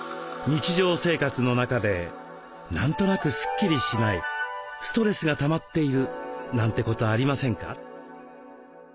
日常生活の中で何となくスッキリしないストレスがたまっているなんてことありませんか？